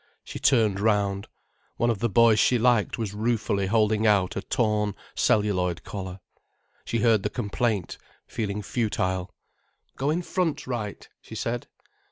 She turned round. One of the boys she liked was ruefully holding out a torn celluloid collar. She heard the complaint, feeling futile. "Go in front, Wright," she said.